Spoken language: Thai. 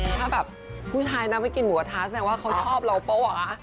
ถ้าแบบผู้ชายนะไปกินหมูกระทะแสดงว่าเขาชอบเราโป๊ะ